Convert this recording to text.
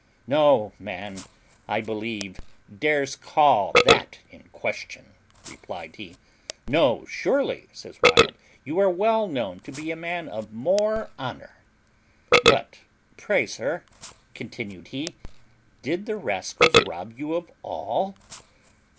"No man, I believe, dares call that in question," replied he. "No, surely," says Wild; "you are well known to be a man of more honour; but pray, sir," continued he, "did the rascals rob you of all?"